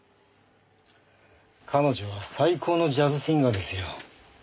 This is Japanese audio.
彼女は最高のジャズシンガーですよ。